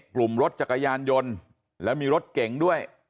กลุ่มรถจักรยานยนต์แล้วมีรถเก่งด้วย